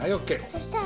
そしたら？